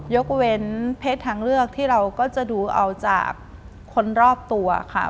ยกเว้นเพศทางเลือกที่เราก็จะดูเอาจากคนรอบตัวค่ะ